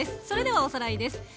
それではおさらいです。